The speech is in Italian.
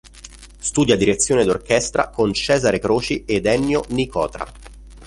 Studia Direzione d'orchestra con Cesare Croci ed Ennio Nicotra.